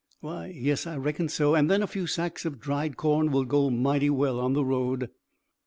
"Why, yes, I reckon so. And then a few sacks of dried corn will go mighty well on the road."